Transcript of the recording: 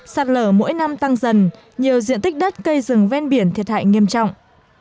sạt lở mỗi năm tăng dần nhiều diện tích đất cây rừng ven biển thiệt hại nghiêm trọng